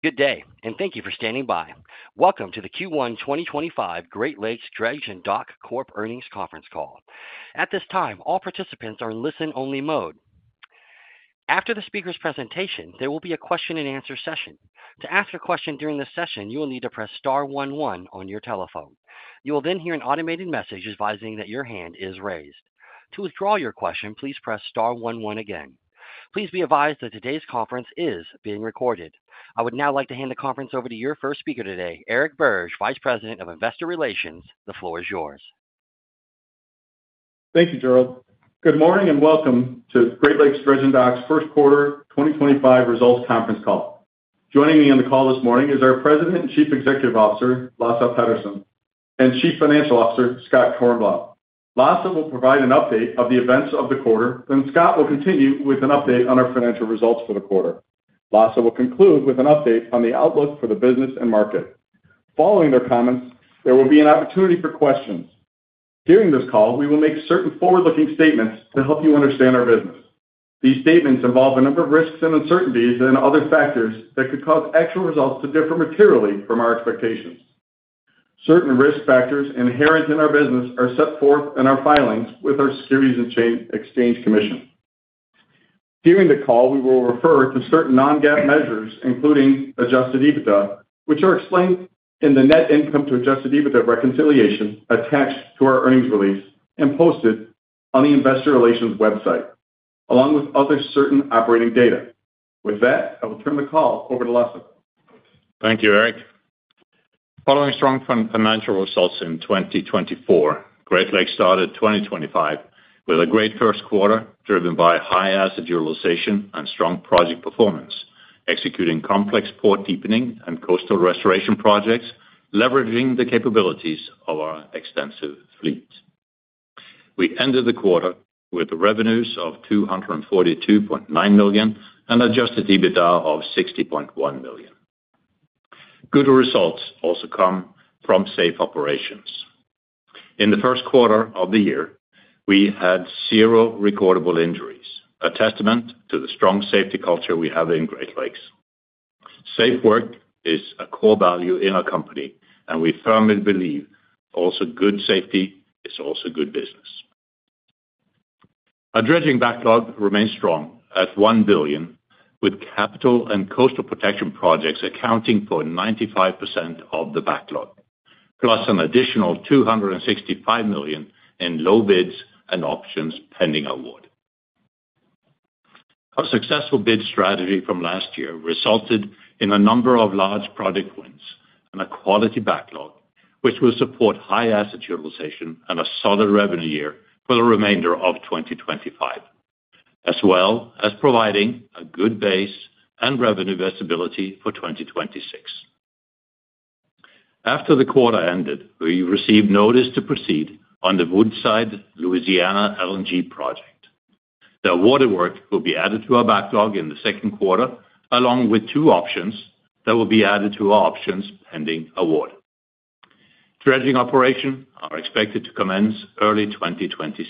Good day, and thank you for standing by. Welcome to the Q1 2025 Great Lakes Dredge & Dock earnings conference call. At this time, all participants are in listen-only mode. After the speaker's presentation, there will be a question-and-answer session. To ask a question during this session, you will need to press star one one on your telephone. You will then hear an automated message advising that your hand is raised. To withdraw your question, please press star one one again. Please be advised that today's conference is being recorded. I would now like to hand the conference over to your first speaker today, Eric Birge, Vice President of Investor Relations. The floor is yours. Thank you, Gerald. Good morning and welcome to Great Lakes Dredge & Dock's first quarter 2025 results conference call. Joining me on the call this morning is our President and Chief Executive Officer, Lasse Petterson, and Chief Financial Officer, Scott Kornblau. Lasse will provide an update of the events of the quarter, then Scott will continue with an update on our financial results for the quarter. Lasse will conclude with an update on the outlook for the business and market. Following their comments, there will be an opportunity for questions. During this call, we will make certain forward-looking statements to help you understand our business. These statements involve a number of risks and uncertainties and other factors that could cause actual results to differ materially from our expectations. Certain risk factors inherent in our business are set forth in our filings with our Securities and Exchange Commission. During the call, we will refer to certain non-GAAP measures, including adjusted EBITDA, which are explained in the net income to adjusted EBITDA reconciliation attached to our earnings release and posted on the Investor Relations website, along with other certain operating data. With that, I will turn the call over to Lasse. Thank you, Eric. Following strong financial results in 2024, Great Lakes started 2025 with a great first quarter driven by high asset utilization and strong project performance, executing complex port deepening and coastal restoration projects, leveraging the capabilities of our extensive fleet. We ended the quarter with revenues of $242.9 million and adjusted EBITDA of $60.1 million. Good results also come from safe operations. In the first quarter of the year, we had zero recordable injuries, a testament to the strong safety culture we have in Great Lakes. Safe work is a core value in our company, and we firmly believe also good safety is also good business. Our dredging backlog remains strong at $1 billion, with capital and coastal protection projects accounting for 95% of the backlog, plus an additional $265 million in low bids and options pending award. Our successful bid strategy from last year resulted in a number of large project wins and a quality backlog, which will support high asset utilization and a solid revenue year for the remainder of 2025, as well as providing a good base and revenue visibility for 2026. After the quarter ended, we received notice to proceed on the Woodside Louisiana LNG project. The awarded work will be added to our backlog in the second quarter, along with two options that will be added to our options pending award. Dredging operations are expected to commence early 2026.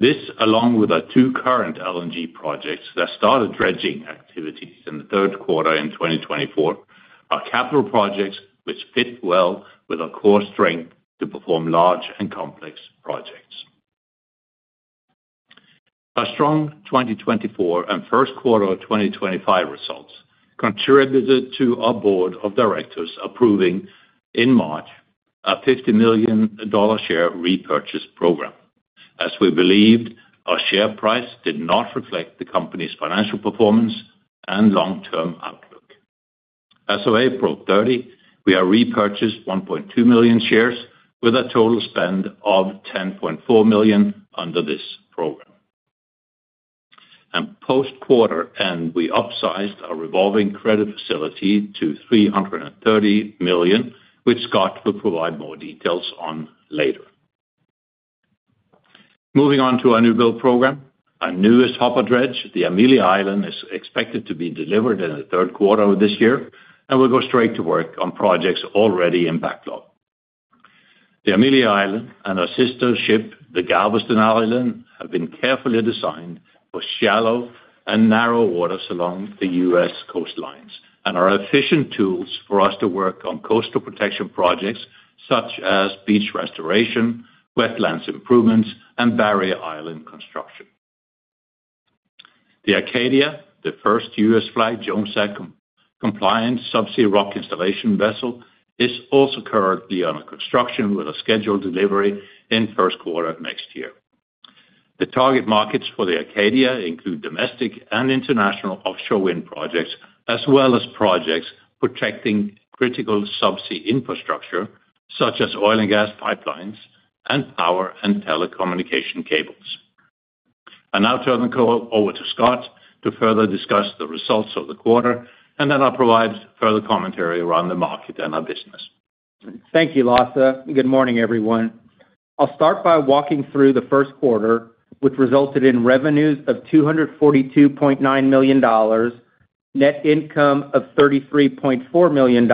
This, along with our two current LNG projects that started dredging activities in the third quarter in 2024, are capital projects which fit well with our core strength to perform large and complex projects. Our strong 2024 and first quarter 2025 results contributed to our board of directors approving in March a $50 million share repurchase program, as we believed our share price did not reflect the company's financial performance and long-term outlook. As of April 30, we have repurchased 1.2 million shares with a total spend of $10.4 million under this program. Post-quarter end, we upsized our revolving credit facility to $330 million, which Scott will provide more details on later. Moving on to our new build program, our newest hopper dredge, the Amelia Island, is expected to be delivered in the third quarter of this year and will go straight to work on projects already in backlog. The Amelia Island and our sister ship, the Galveston Island, have been carefully designed for shallow and narrow waters along the U.S. Coastlines and are efficient tools for us to work on coastal protection projects such as beach restoration, wetlands improvements, and barrier island construction. The Acadia, the first U.S.-flagged Jones Act compliant subsea rock installation vessel, is also currently under construction with a scheduled delivery in the first quarter of next year. The target markets for the Acadia include domestic and international offshore wind projects, as well as projects protecting critical subsea infrastructure such as oil and gas pipelines and power and telecommunication cables. I will now turn the call over to Scott to further discuss the results of the quarter, and then I will provide further commentary around the market and our business. Thank you, Lasse. Good morning, everyone. I'll start by walking through the first quarter, which resulted in revenues of $242.9 million, net income of $33.4 million,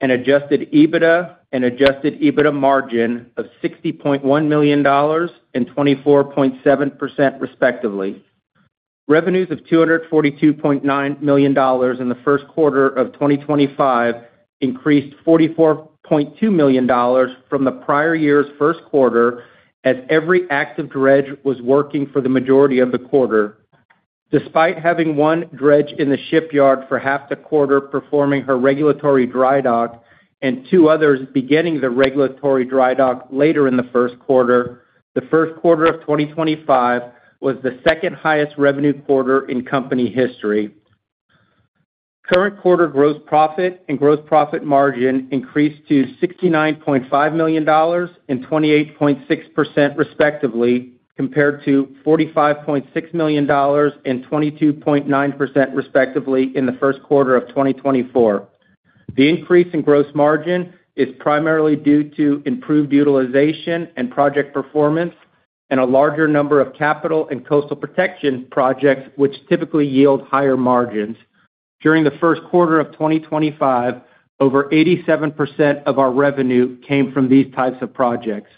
and adjusted EBITDA and adjusted EBITDA margin of $60.1 million and 24.7%, respectively. Revenues of $242.9 million in the first quarter of 2025 increased $44.2 million from the prior year's first quarter as every active dredge was working for the majority of the quarter. Despite having one dredge in the shipyard for half the quarter performing her regulatory dry dock and two others beginning the regulatory dry dock later in the first quarter, the first quarter of 2025 was the second highest revenue quarter in company history. Current quarter gross profit and gross profit margin increased to $69.5 million and 28.6%, respectively, compared to $45.6 million and 22.9%, respectively, in the first quarter of 2024. The increase in gross margin is primarily due to improved utilization and project performance and a larger number of capital and coastal protection projects, which typically yield higher margins. During the first quarter of 2025, over 87% of our revenue came from these types of projects.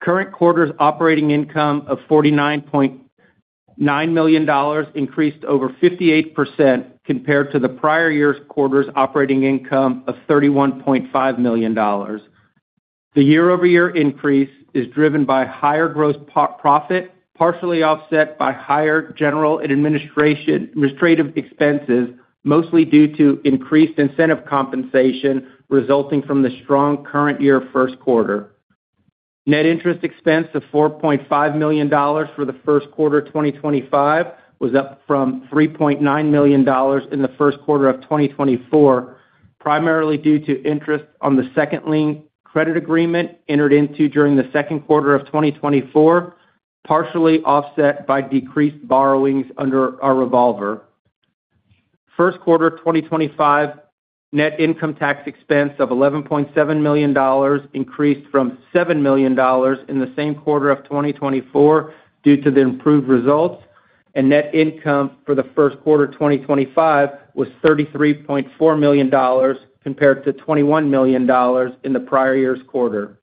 Current quarter's operating income of $49.9 million increased over 58% compared to the prior year's quarter's operating income of $31.5 million. The year-over-year increase is driven by higher gross profit, partially offset by higher general and administrative expenses, mostly due to increased incentive compensation resulting from the strong current year first quarter. Net interest expense of $4.5 million for the first quarter of 2025 was up from $3.9 million in the first quarter of 2024, primarily due to interest on the second-lien credit agreement entered into during the second quarter of 2024, partially offset by decreased borrowings under our revolver. First quarter 2025 net income tax expense of $11.7 million increased from $7 million in the same quarter of 2024 due to the improved results, and net income for the first quarter 2025 was $33.4 million compared to $21 million in the prior year's quarter.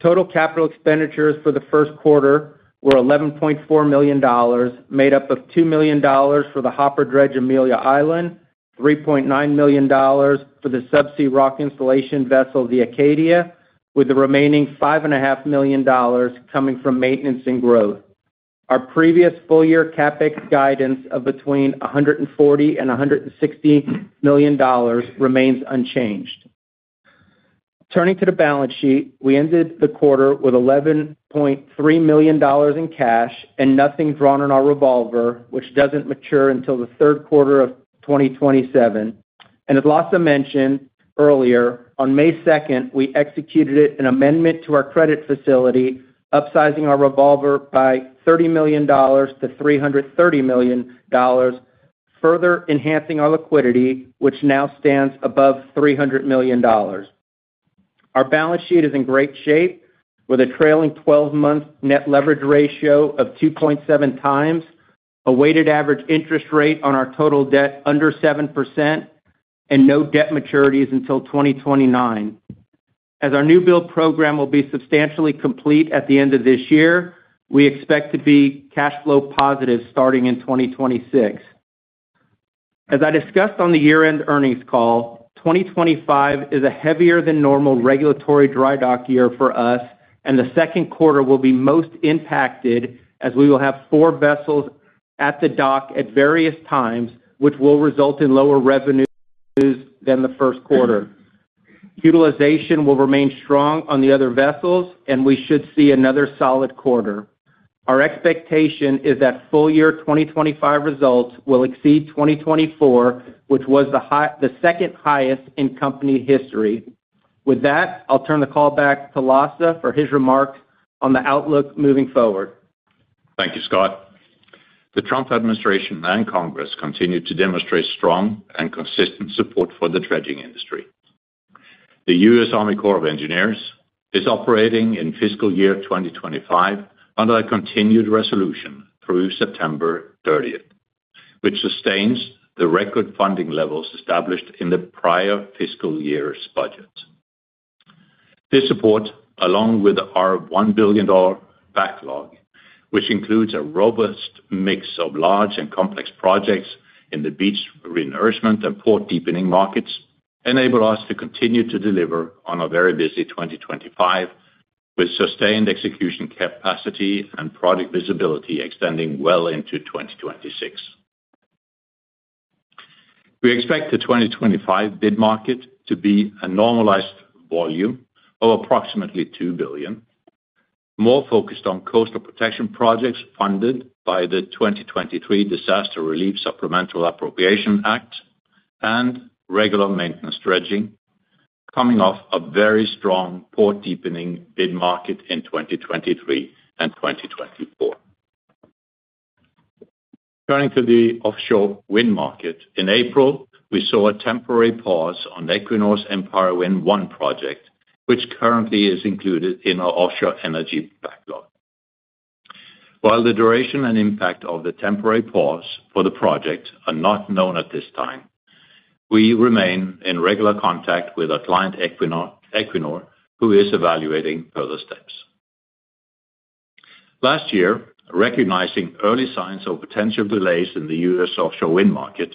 Total capital expenditures for the first quarter were $11.4 million, made up of $2 million for the hopper dredge Amelia Island, $3.9 million for the subsea rock installation vessel the Acadia, with the remaining $5.5 million coming from maintenance and growth. Our previous full-year CapEx guidance of between $140-$160 million remains unchanged. Turning to the balance sheet, we ended the quarter with $11.3 million in cash and nothing drawn on our revolver, which does not mature until the third quarter of 2027. As Lasse mentioned earlier, on May 2nd, we executed an amendment to our credit facility, upsizing our revolver by $30 million to $330 million, further enhancing our liquidity, which now stands above $300 million. Our balance sheet is in great shape, with a trailing 12-month net leverage ratio of 2.7 times, a weighted average interest rate on our total debt under 7%, and no debt maturities until 2029. As our new build program will be substantially complete at the end of this year, we expect to be cash flow positive starting in 2026. As I discussed on the year-end earnings call, 2025 is a heavier-than-normal regulatory dry dock year for us, and the second quarter will be most impacted as we will have four vessels at the dock at various times, which will result in lower revenues than the first quarter. Utilization will remain strong on the other vessels, and we should see another solid quarter. Our expectation is that full-year 2025 results will exceed 2024, which was the second highest in company history. With that, I'll turn the call back to Lasse for his remarks on the outlook moving forward. Thank you, Scott. The Trump administration and Congress continue to demonstrate strong and consistent support for the dredging industry. The U.S. Army Corps of Engineers is operating in fiscal year 2025 under a continued resolution through September 30, which sustains the record funding levels established in the prior fiscal year's budget. This support, along with our $1 billion backlog, which includes a robust mix of large and complex projects in the beach reinforcement and port deepening markets, enables us to continue to deliver on our very busy 2025, with sustained execution capacity and project visibility extending well into 2026. We expect the 2025 bid market to be a normalized volume of approximately $2 billion, more focused on coastal protection projects funded by the 2023 Disaster Relief Supplemental Appropriation Act and regular maintenance dredging, coming off a very strong port deepening bid market in 2023 and 2024. Turning to the offshore wind market, in April, we saw a temporary pause on Equinor's Empire Wind 1 project, which currently is included in our offshore energy backlog. While the duration and impact of the temporary pause for the project are not known at this time, we remain in regular contact with our client Equinor, who is evaluating further steps. Last year, recognizing early signs of potential delays in the U.S. offshore wind market,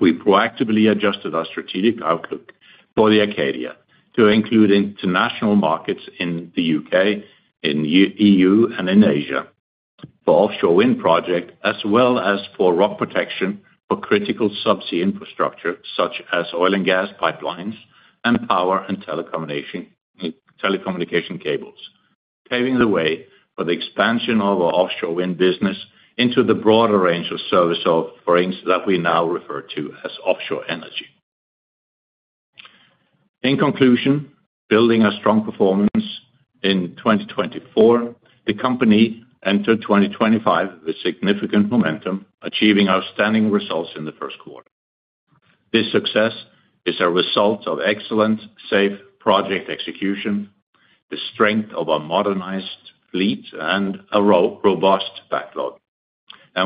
we proactively adjusted our strategic outlook for the Acadia to include international markets in the U.K., in the EU, and in Asia for offshore wind projects, as well as for rock protection for critical subsea infrastructure such as oil and gas pipelines and power and telecommunication cables, paving the way for the expansion of our offshore wind business into the broader range of service offerings that we now refer to as offshore energy. In conclusion, building our strong performance in 2024, the company entered 2025 with significant momentum, achieving outstanding results in the first quarter. This success is a result of excellent, safe project execution, the strength of our modernized fleet, and a robust backlog.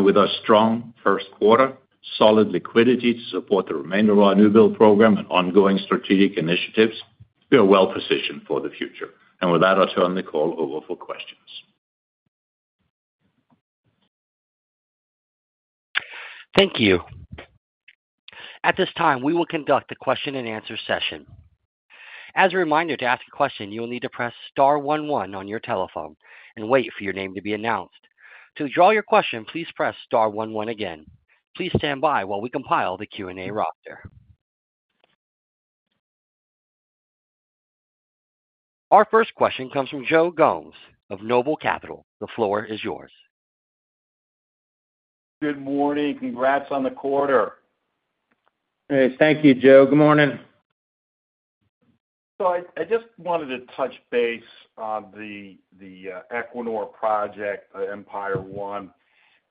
With our strong first quarter, solid liquidity to support the remainder of our new build program and ongoing strategic initiatives, we are well positioned for the future. With that, I'll turn the call over for questions. Thank you. At this time, we will conduct a question-and-answer session. As a reminder, to ask a question, you will need to press star one one on your telephone and wait for your name to be announced. To withdraw your question, please press star one one again. Please stand by while we compile the Q&A roster. Our first question comes from Joe Gomes of Noble Capital. The floor is yours. Good morning. Congrats on the quarter. Hey, thank you, Joe. Good morning. I just wanted to touch base on the Equinor project, Empire 1.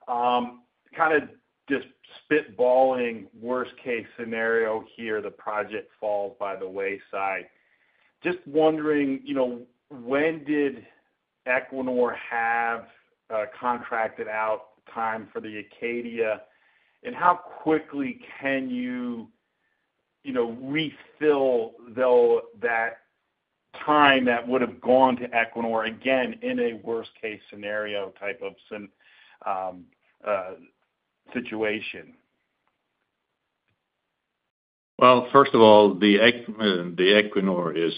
Kind of just spitballing worst-case scenario here, the project falls by the wayside. Just wondering, when did Equinor have contracted out time for the Acadia, and how quickly can you refill that time that would have gone to Equinor again in a worst-case scenario type of situation? First of all, Equinor is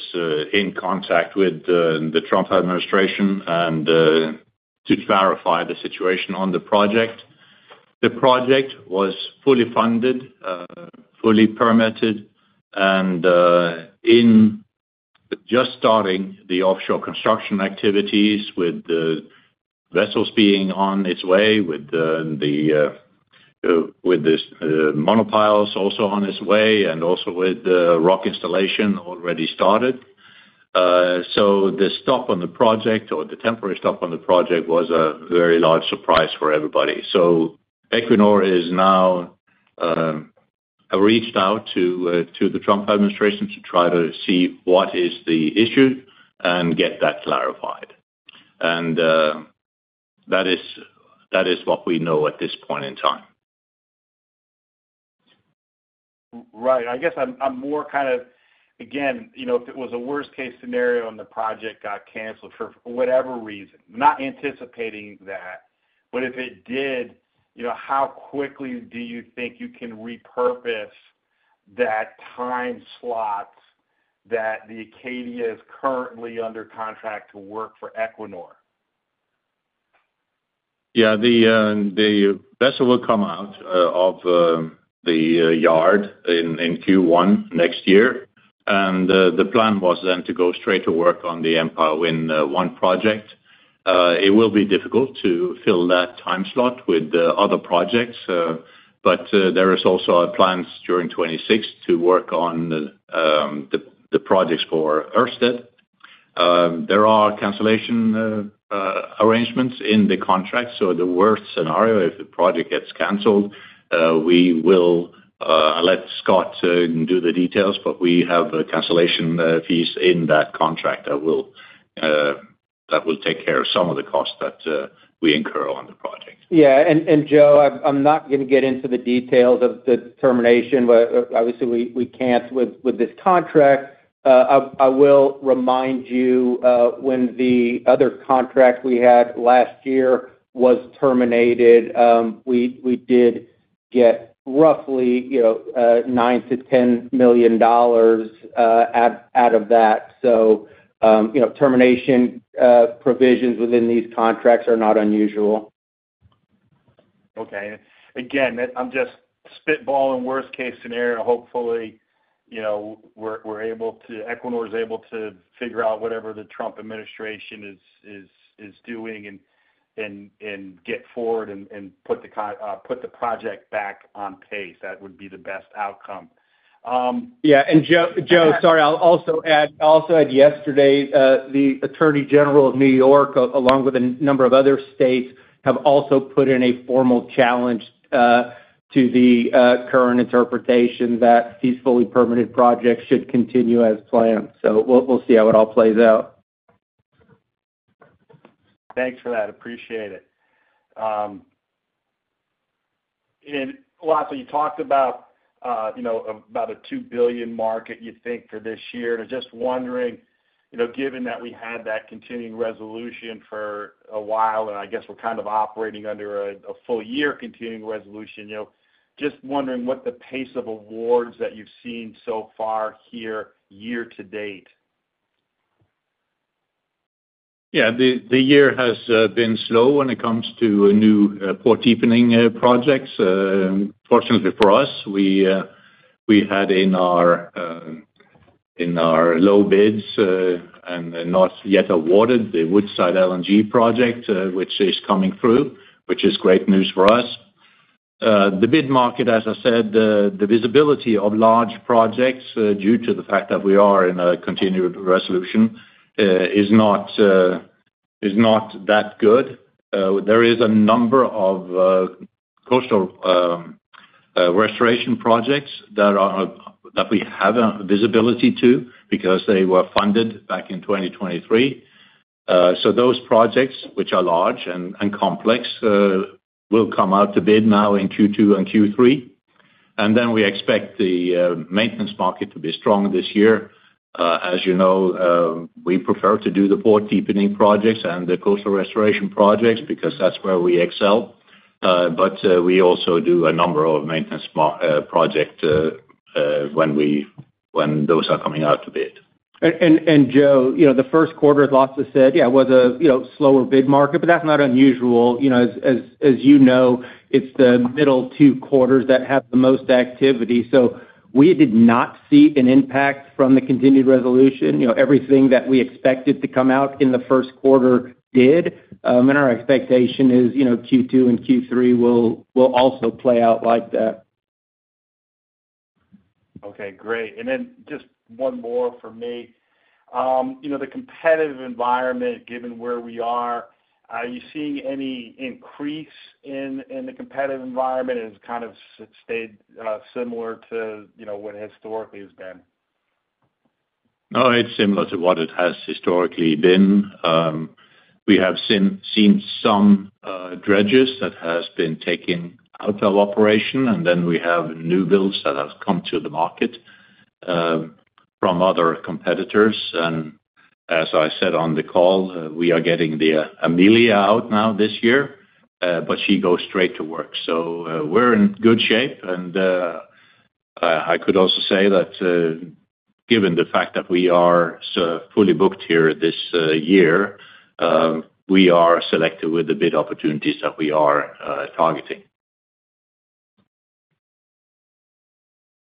in contact with the Trump administration to clarify the situation on the project. The project was fully funded, fully permitted, and just starting the offshore construction activities with the vessels being on its way, with the monopiles also on its way, and also with the rock installation already started. The stop on the project, or the temporary stop on the project, was a very large surprise for everybody. Equinor has now reached out to the Trump administration to try to see what is the issue and get that clarified. That is what we know at this point in time. Right. I guess I'm more kind of, again, if it was a worst-case scenario and the project got canceled for whatever reason, not anticipating that, but if it did, how quickly do you think you can repurpose that time slot that the Acadia is currently under contract to work for Equinor? Yeah. The vessel will come out of the yard in Q1 next year. The plan was then to go straight to work on the Empire Wind 1 project. It will be difficult to fill that time slot with other projects, but there are also plans during 2026 to work on the projects for Ørsted. There are cancellation arrangements in the contract. The worst scenario, if the project gets canceled, we will let Scott do the details, but we have cancellation fees in that contract that will take care of some of the costs that we incur on the project. Yeah. Joe, I'm not going to get into the details of the termination. Obviously, we can't with this contract. I will remind you when the other contract we had last year was terminated, we did get roughly $9-$10 million out of that. Termination provisions within these contracts are not unusual. Okay. Again, I'm just spitballing worst-case scenario. Hopefully, Equinor is able to figure out whatever the Trump administration is doing and get forward and put the project back on pace. That would be the best outcome. Yeah. Joe, sorry, I'll also add yesterday, the Attorney General of New York, along with a number of other states, have also put in a formal challenge to the current interpretation that these fully permitted projects should continue as planned. We'll see how it all plays out. Thanks for that. Appreciate it. Lasse, you talked about a $2 billion market, you think, for this year. I am just wondering, given that we had that continuing resolution for a while, and I guess we are kind of operating under a full-year continuing resolution, just wondering what the pace of awards that you have seen so far here, year to date. Yeah. The year has been slow when it comes to new port deepening projects. Fortunately for us, we had in our low bids and not yet awarded the Woodside LNG project, which is coming through, which is great news for us. The bid market, as I said, the visibility of large projects due to the fact that we are in a continuing resolution is not that good. There is a number of coastal restoration projects that we have visibility to because they were funded back in 2023. So those projects, which are large and complex, will come out to bid now in Q2 and Q3. We expect the maintenance market to be strong this year. As you know, we prefer to do the port deepening projects and the coastal restoration projects because that's where we excel. We also do a number of maintenance projects when those are coming out to bid. Joe, the first quarter, as Lasse said, yeah, was a slower bid market, but that's not unusual. As you know, it's the middle two quarters that have the most activity. We did not see an impact from the continuing resolution. Everything that we expected to come out in the first quarter did. Our expectation is Q2 and Q3 will also play out like that. Okay. Great. And then just one more for me. The competitive environment, given where we are, are you seeing any increase in the competitive environment? Has it kind of stayed similar to what historically has been? No, it's similar to what it has historically been. We have seen some dredges that have been taken out of operation, and then we have new builds that have come to the market from other competitors. As I said on the call, we are getting the Amelia out now this year, but she goes straight to work. We are in good shape. I could also say that given the fact that we are fully booked here this year, we are selective with the bid opportunities that we are targeting.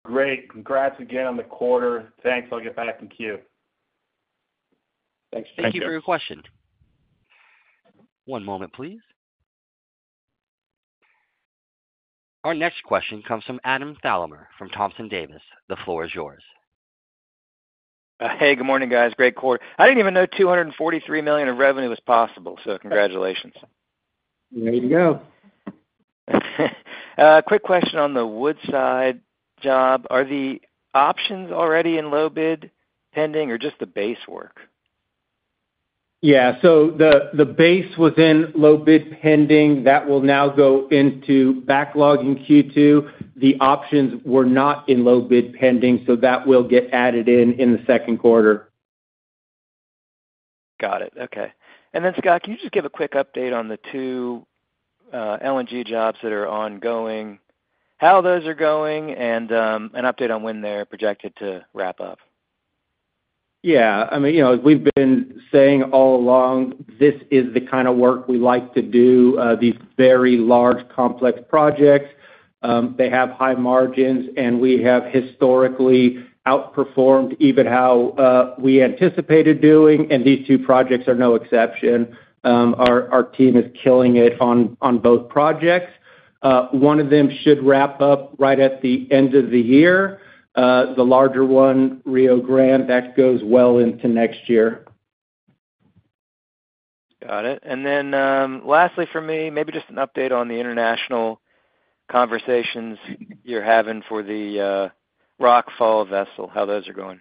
Great. Congrats again on the quarter. Thanks. I'll get back in queue. Thanks. Thank you for your question. One moment, please. Our next question comes from Adam Thalhimer from Thompson Davis. The floor is yours. Hey, good morning, guys. Great quarter. I did not even know $243 million of revenue was possible, so congratulations. There you go. Quick question on the Woodside job. Are the options already in low bid pending or just the base work? Yeah. The base was in low bid pending. That will now go into backlog in Q2. The options were not in low bid pending, so that will get added in in the second quarter. Got it. Okay. Scott, can you just give a quick update on the two LNG jobs that are ongoing, how those are going, and an update on when they're projected to wrap up? Yeah. I mean, we've been saying all along this is the kind of work we like to do, these very large, complex projects. They have high margins, and we have historically outperformed even how we anticipated doing. These two projects are no exception. Our team is killing it on both projects. One of them should wrap up right at the end of the year. The larger one, Rio Grande, that goes well into next year. Got it. Lastly for me, maybe just an update on the international conversations you're having for the Acadia vessel, how those are going.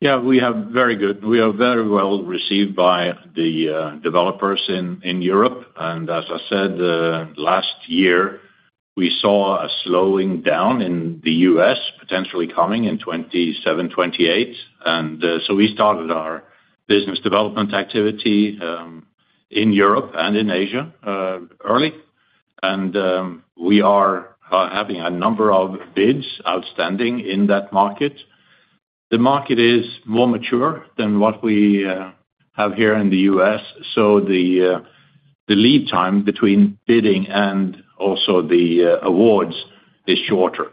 Yeah. We have very good. We are very well received by the developers in Europe. As I said, last year, we saw a slowing down in the U.S. potentially coming in 2027, 2028. We started our business development activity in Europe and in Asia early. We are having a number of bids outstanding in that market. The market is more mature than what we have here in the U.S. The lead time between bidding and also the awards is shorter.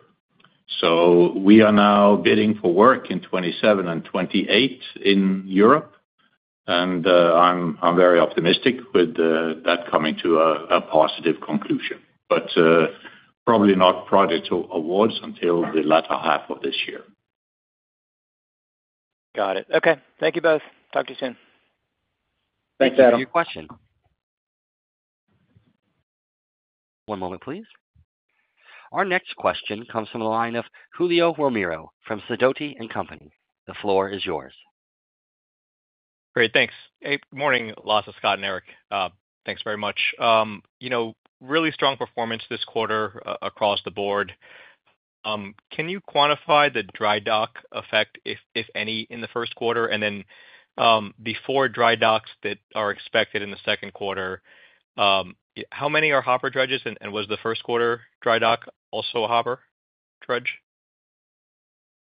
We are now bidding for work in 2027 and 2028 in Europe. I am very optimistic with that coming to a positive conclusion, but probably not project awards until the latter half of this year. Got it. Okay. Thank you both. Talk to you soon. Thanks, Adam. Thank you for your question. One moment, please. Our next question comes from the line of Julio Romero from Sidoti & Company. The floor is yours. Great. Thanks. Hey, good morning, Lasse, Scott, and Eric. Thanks very much. Really strong performance this quarter across the board. Can you quantify the dry dock effect, if any, in the first quarter? Before dry docks that are expected in the second quarter, how many are hopper dredges? Was the first quarter dry dock also a hopper dredge?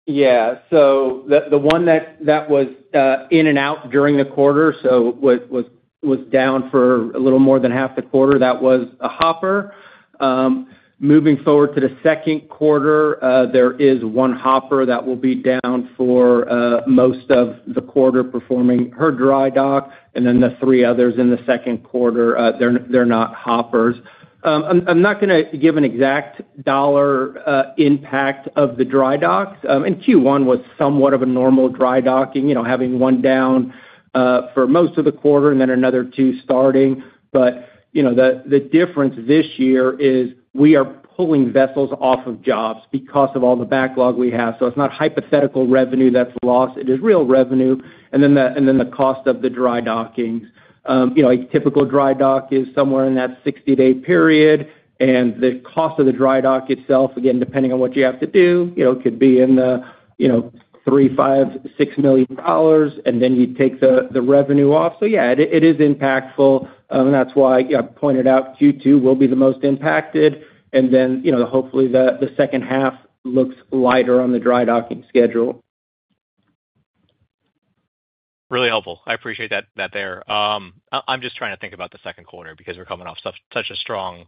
Yeah. The one that was in and out during the quarter, so was down for a little more than half the quarter, that was a hopper. Moving forward to the second quarter, there is one hopper that will be down for most of the quarter performing her dry dock. The three others in the second quarter, they're not hoppers. I'm not going to give an exact dollar impact of the dry docks. Q1 was somewhat of a normal dry docking, having one down for most of the quarter and then another two starting. The difference this year is we are pulling vessels off of jobs because of all the backlog we have. It's not hypothetical revenue that's lost. It is real revenue. The cost of the dry dockings, a typical dry dock is somewhere in that 60-day period. The cost of the dry dock itself, again, depending on what you have to do, could be in the $3 million-$5 million, $6 million. You take the revenue off. Yeah, it is impactful. That is why I pointed out Q2 will be the most impacted. Hopefully the second half looks lighter on the dry docking schedule. Really helpful. I appreciate that there. I'm just trying to think about the second quarter because we're coming off such a strong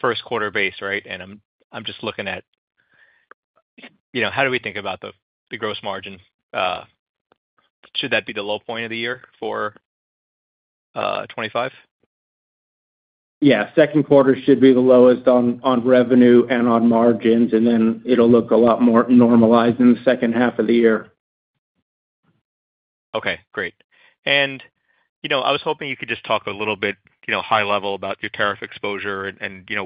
first quarter base, right? And I'm just looking at how do we think about the gross margin? Should that be the low point of the year for 2025? Yeah. Second quarter should be the lowest on revenue and on margins. It will look a lot more normalized in the second half of the year. Okay. Great. I was hoping you could just talk a little bit high level about your tariff exposure.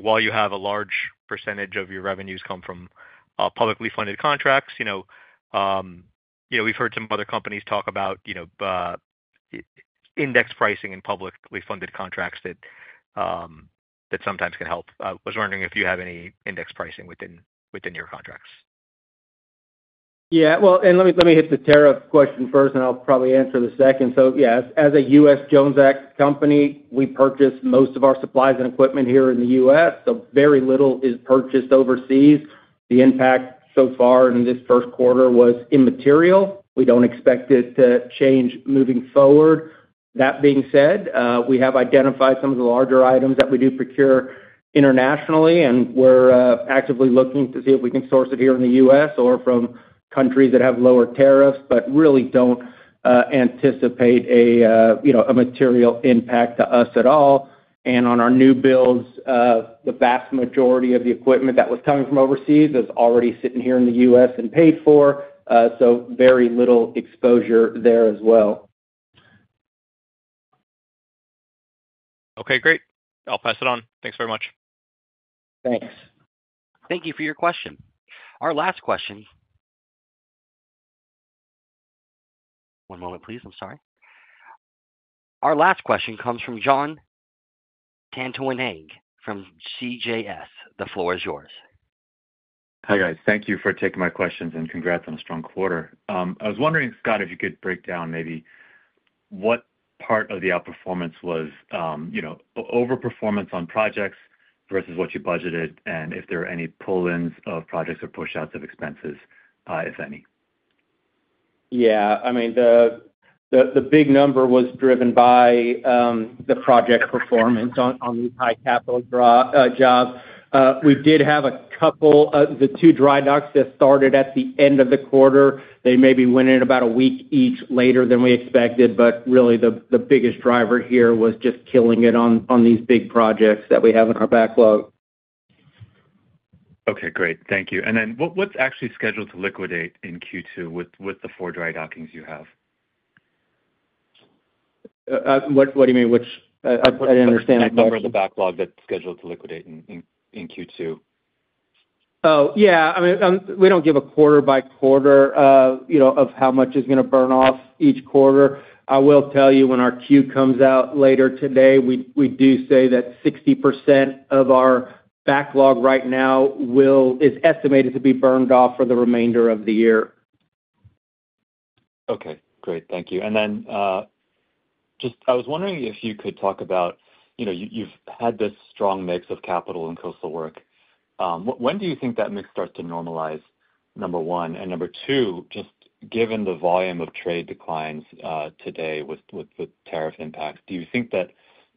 While you have a large percentage of your revenues come from publicly funded contracts, we've heard some other companies talk about index pricing in publicly funded contracts that sometimes can help. I was wondering if you have any index pricing within your contracts. Yeah. Let me hit the tariff question first, and I'll probably answer the second. Yeah, as a U.S. Jones Act company, we purchase most of our supplies and equipment here in the U.S. Very little is purchased overseas. The impact so far in this first quarter was immaterial. We do not expect it to change moving forward. That being said, we have identified some of the larger items that we do procure internationally, and we are actively looking to see if we can source it here in the U.S. or from countries that have lower tariffs, but really do not anticipate a material impact to us at all. On our new builds, the vast majority of the equipment that was coming from overseas is already sitting here in the U.S. and paid for. Very little exposure there as well. Okay. Great. I'll pass it on. Thanks very much. Thanks. Thank you for your question. Our last question. One moment, please. I'm sorry. Our last question comes from Jon Tanwanteng from CJS Securities. The floor is yours. Hi guys. Thank you for taking my questions and congrats on a strong quarter. I was wondering, Scott, if you could break down maybe what part of the outperformance was overperformance on projects versus what you budgeted and if there are any pull-ins of projects or push-outs of expenses, if any. Yeah. I mean, the big number was driven by the project performance on these high-capital jobs. We did have a couple of the two dry docks that started at the end of the quarter. They maybe went in about a week each later than we expected. Really, the biggest driver here was just killing it on these big projects that we have in our backlog. Okay. Great. Thank you. What is actually scheduled to liquidate in Q2 with the four dry dockings you have? What do you mean? I didn't understand the question. What number of the backlog that's scheduled to liquidate in Q2? Oh, yeah. I mean, we don't give a quarter-by-quarter of how much is going to burn off each quarter. I will tell you, when our queue comes out later today, we do say that 60% of our backlog right now is estimated to be burned off for the remainder of the year. Okay. Great. Thank you. I was wondering if you could talk about you have had this strong mix of capital and coastal work. When do you think that mix starts to normalize, number one? Number two, just given the volume of trade declines today with tariff impacts, do you think that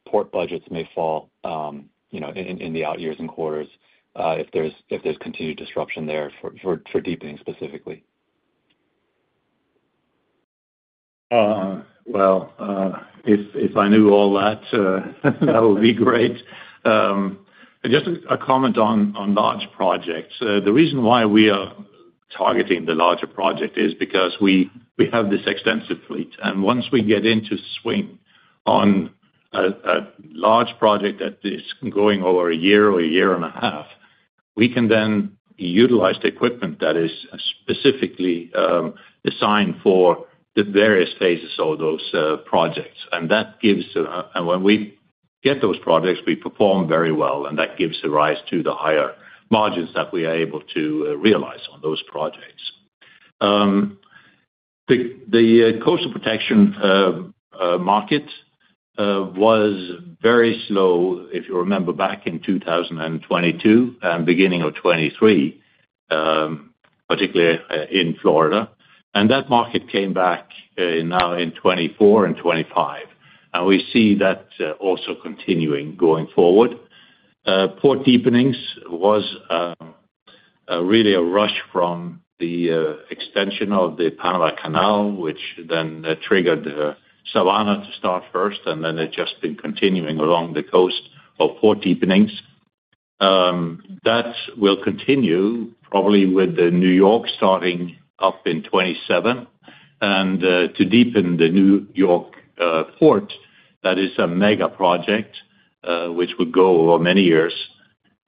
port budgets may fall in the out years and quarters if there is continued disruption there for deepening specifically? If I knew all that, that would be great. Just a comment on large projects. The reason why we are targeting the larger project is because we have this extensive fleet. Once we get into swing on a large project that is going over a year or a year and a half, we can then utilize the equipment that is specifically assigned for the various phases of those projects. That gives when we get those projects, we perform very well. That gives the rise to the higher margins that we are able to realize on those projects. The coastal protection market was very slow, if you remember, back in 2022 and beginning of 2023, particularly in Florida. That market came back now in 2024 and 2025. We see that also continuing going forward. Port deepenings was really a rush from the extension of the Panama Canal, which then triggered the Savannah to start first, and then it has just been continuing along the coast of port deepenings. That will continue probably with New York starting up in 2027. To deepen the New York port, that is a mega project which will go over many years.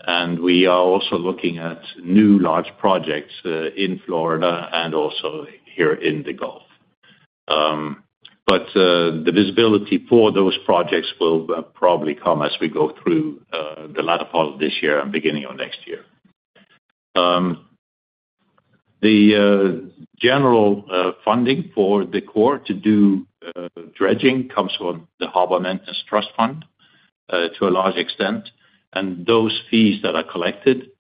We are also looking at new large projects in Florida and also here in the Gulf. The visibility for those projects will probably come as we go through the latter part of this year and beginning of next year. The general funding for the Corps to do dredging comes from the Harbor Maintenance Trust Fund to a large extent. Those fees that are collected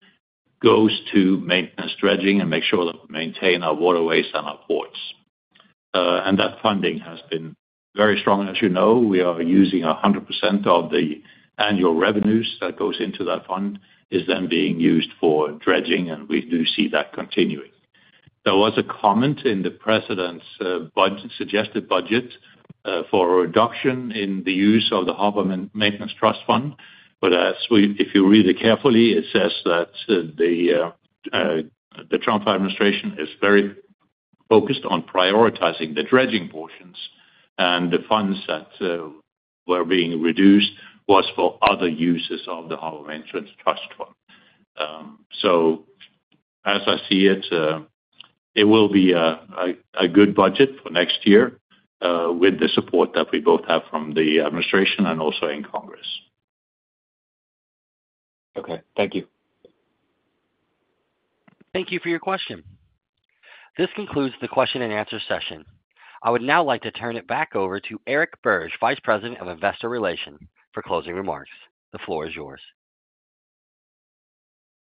go to maintenance dredging and make sure that we maintain our waterways and our ports. That funding has been very strong. As you know, we are using 100% of the annual revenues that goes into that fund is then being used for dredging, and we do see that continuing. There was a comment in the President's suggested budget for a reduction in the use of the Harbor Maintenance Trust Fund. If you read it carefully, it says that the Trump administration is very focused on prioritizing the dredging portions. The funds that were being reduced were for other uses of the Harbor Maintenance Trust Fund. As I see it, it will be a good budget for next year with the support that we both have from the administration and also in Congress. Okay. Thank you. Thank you for your question. This concludes the question and answer session. I would now like to turn it back over to Eric Birge, Vice President of Investor Relations, for closing remarks. The floor is yours.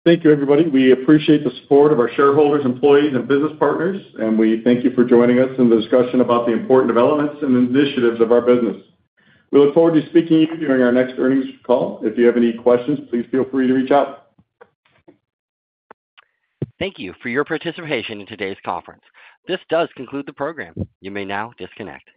Thank you, everybody. We appreciate the support of our shareholders, employees, and business partners, and we thank you for joining us in the discussion about the important developments and initiatives of our business. We look forward to speaking to you during our next earnings call. If you have any questions, please feel free to reach out. Thank you for your participation in today's conference. This does conclude the program. You may now disconnect.